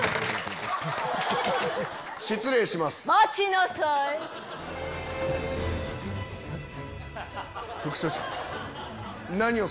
失礼します。